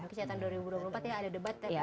kesehatan dua ribu dua puluh empat ya ada debat ya